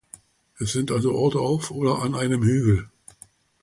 Es sind also Orte auf oder an einem Hügel.